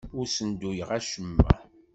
Ur ssenduyeɣ acemma.